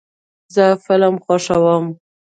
زه فلم خوښوم.